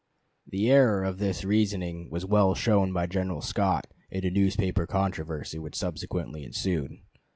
The error of this reasoning was well shown by General Scott in a newspaper controversy which subsequently ensued.